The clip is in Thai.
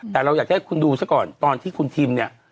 แต่เราอยากจะให้คุณดูซะก่อนตอนที่คุณทิมเนี่ย